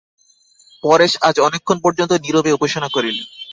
পরেশ আজ অনেকক্ষণ পর্যন্ত নীরবে উপাসনা করিলেন।